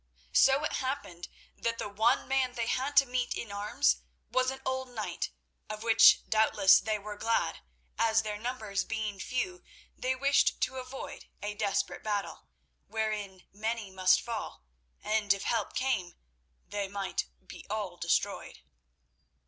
So it happened that the one man they had to meet in arms was an old knight, of which doubtless they were glad, as their numbers being few, they wished to avoid a desperate battle, wherein many must fall, and, if help came, they might be all destroyed.